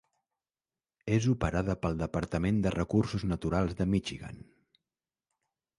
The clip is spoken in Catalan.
És operada pel Departament de Recursos Naturals de Michigan.